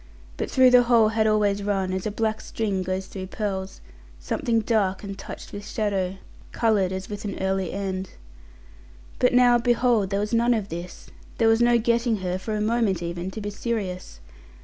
But through the whole had always run, as a black string goes through pearls, something dark and touched with shadow, coloured as with an early end. But, now, behold! there was none of this! There was no getting her, for a moment, even to be serious.